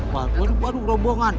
waduh waduh rombongan